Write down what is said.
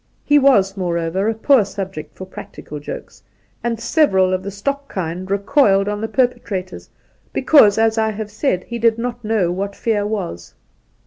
He was, moreover, a poor subject for practical jokes, and several of the stock kind recoiled on the perpetrators, because, as I have said, he did not know what fear was.